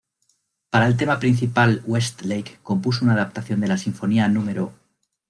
Para el tema principal Westlake compuso una adaptación de la Sinfonía No.